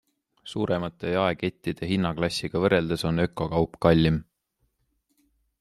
Suuremate jaekettide hinnaklassiga võrreldes on ökokaup kallim.